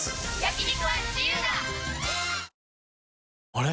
あれ？